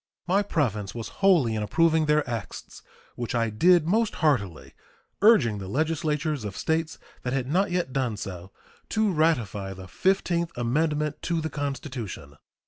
My province was wholly in approving their acts, which I did most heartily, urging the legislatures of States that had not yet done so to ratify the fifteenth amendment to the Constitution.